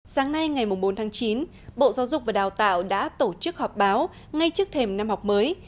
sáng nay ngày bốn tháng chín bộ giáo dục và đào tạo đã tổ chức họp báo ngay trước thềm năm học mới